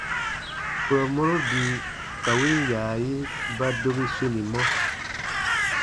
Kurɔ mɔro bii ka win yaayi ba dobi sunimɔ.